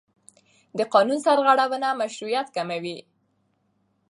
د قانون سرغړونه مشروعیت کموي